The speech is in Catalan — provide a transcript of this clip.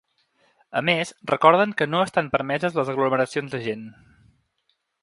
A més, recorden que no estan permeses les aglomeracions de gent.